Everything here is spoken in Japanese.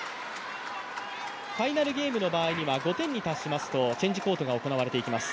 ファイナルゲームの場合には５点に達しますとチェンジコートが行われていきます。